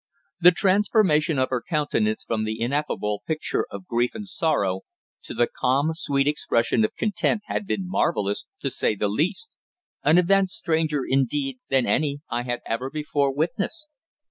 The transformation of her countenance from the ineffable picture of grief and sorrow to the calm, sweet expression of content had been marvellous, to say the least an event stranger, indeed, than any I had ever before witnessed.